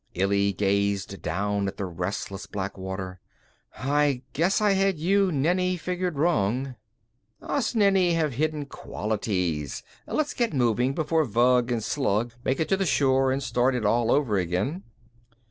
Illy gazed down at the restless black water. "I guess I had you Nenni figured wrong." "Us Nenni have hidden qualities. Let's get moving before Vug and Slug make it to shore and start it all over again."